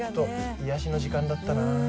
癒やしの時間だったな。